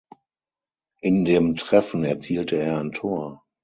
In dem Treffen erzielte er ein Tor.